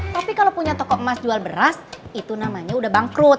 tapi kalau punya toko emas jual beras itu namanya udah bangkrut